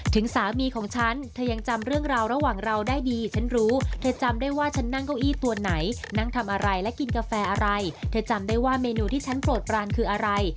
ถึงสามีของฉันเธอยังจำเรื่องราวระหว่างเราได้ดีฉันรู้เธอจำได้ว่าฉันนั่งเก้าอี้ตัวไหนนั่งทำอะไรและกินกาแฟอะไรเธอจำได้ว่าเมนูที่ฉันโปรดปรานคืออะไร